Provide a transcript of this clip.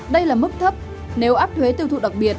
đây là mức thấp nếu áp thuế tiêu thụ đặc biệt